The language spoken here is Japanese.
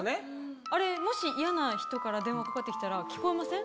あれもし、嫌な人から電話かかってきたら、聞こえません？